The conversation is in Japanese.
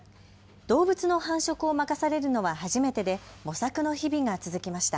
動物の繁殖を任されるのは初めてで模索の日々が続きました。